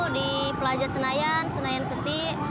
di pelaja senayan senayan seti